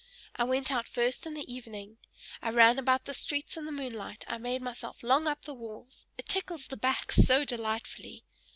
I went out first in the evening; I ran about the streets in the moonlight; I made myself long up the walls it tickles the back so delightfully!